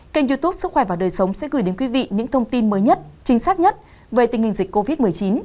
kênh youtube sức khỏe và đời sống sẽ gửi đến quý vị những thông tin mới nhất chính xác nhất về tình hình dịch covid một mươi chín